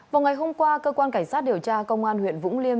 vào ngày hôm qua cơ quan cảnh sát điều tra công an huyện vũng liêm